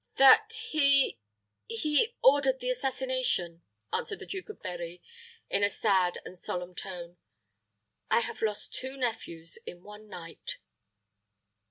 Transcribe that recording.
"That he he ordered the assassination," answered the Duke of Berri, in a sad and solemn tone. "I have lost two nephews in one night!"